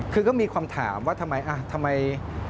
คือก็มีความถามว่าทำไม